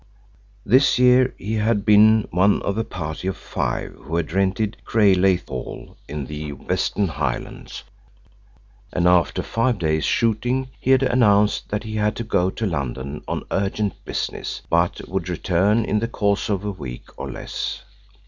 This year he had been one of a party of five who had rented Craigleith Hall in the Western Highlands, and after five days' shooting he had announced that he had to go to London on urgent business, but would return in the course of a week or less.